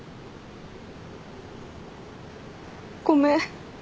ごめん。